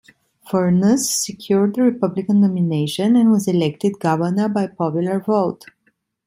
Furnas secured the Republican nomination, and was elected governor by popular vote.